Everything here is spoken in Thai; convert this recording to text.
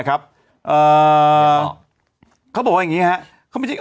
เค้าบอกว่าแบบนี้เนี่ย